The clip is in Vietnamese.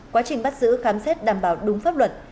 quá trình bắt giữ khám xét đảm bảo đúng pháp luật